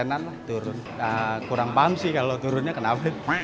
lima puluh an turun kurang paham sih kalau turunnya kenapa